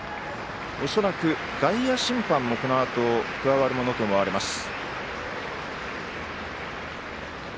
恐らく外野審判もこのあと加わるものと思われます。